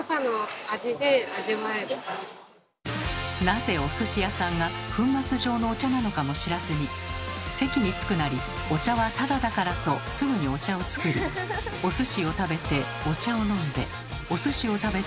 なぜお寿司屋さんは粉末状のお茶なのかも知らずに席に着くなりお茶はタダだからとすぐにお茶を作りお寿司を食べてお茶を飲んでお寿司を食べてお茶を飲んで